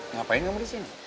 ngapain kamu di sini